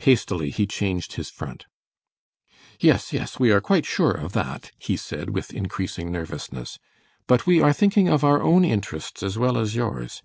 Hastily he changed his front. "Yes, yes, we are quite sure of that," he said, with increasing nervousness, "but we are thinking of our own interests as well as yours.